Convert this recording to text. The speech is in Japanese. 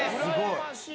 すごい！